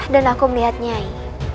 dan aku melihat nyai